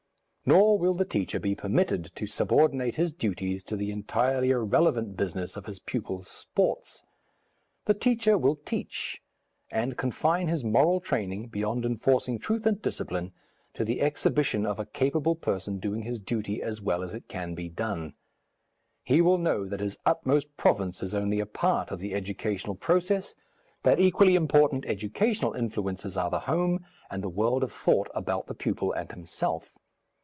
Nor will the teacher be permitted to subordinate his duties to the entirely irrelevant business of his pupils' sports. The teacher will teach, and confine his moral training, beyond enforcing truth and discipline, to the exhibition of a capable person doing his duty as well as it can be done. He will know that his utmost province is only a part of the educational process, that equally important educational influences are the home and the world of thought about the pupil and himself.